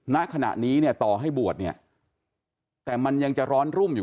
ณขณะนี้เนี่ยต่อให้บวชเนี่ยแต่มันยังจะร้อนรุ่มอยู่